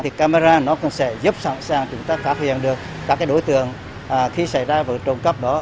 thì camera nó cũng sẽ giúp sẵn sàng chúng ta phát hiện được các đối tượng khi xảy ra vụ trộm cắp đó